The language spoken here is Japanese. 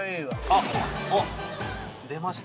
◆あっ、出ました。